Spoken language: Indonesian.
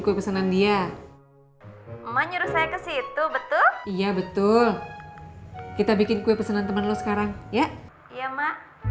kue pesanan dia emang nyuruh saya ke situ betul iya betul kita bikin kue pesanan teman lo sekarang ya